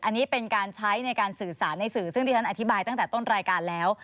อันนี้เป็นการใช้ในการสื่อสารในสื่อซึ่งที่ฉันอธิบายตั้งแต่ต้นรายการแล้ว